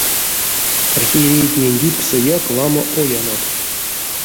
Архиерейтнень ютксояк ламо оянок.